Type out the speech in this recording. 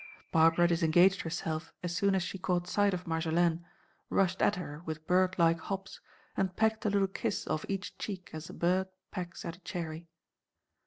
Barbara disengaged herself as soon as she caught sight of Marjolaine, rushed at her with bird like hops, and pecked a little kiss off each cheek as a bird pecks at a cherry.